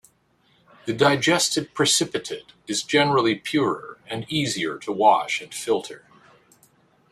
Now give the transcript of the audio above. The digested precipitate is generally purer, and easier to wash and filter.